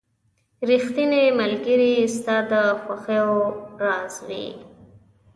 • ریښتینی ملګری ستا د خوښیو راز وي.